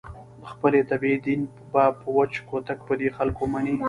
د خپلې طبعې دین به په وچ کوتک په دې خلکو ومني.